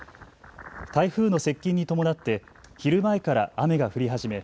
台風の接近に伴って昼前から雨が降り始め